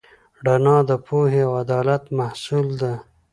رڼا د پوهې او عدالت محصول ده.